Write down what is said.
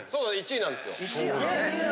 １位なんですよ。